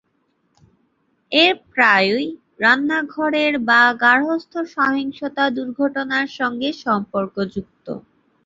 এর প্রায়ই রান্নাঘরের বা গার্হস্থ্য সহিংসতা দুর্ঘটনার সঙ্গে সম্পর্কযুক্ত।